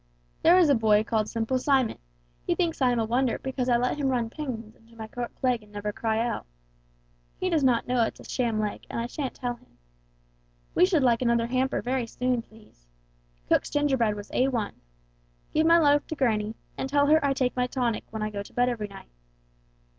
There is a boy called 'Simple Simon,' he thinks I am a wonder because I let him run pins into my cork leg and never cry out. He does not know it's a sham leg and I shan't tell him. We should like another hamper very soon, please. Cook's gingerbread was A1. Give my love to granny, and tell her I take my tonic when I go to bed every night.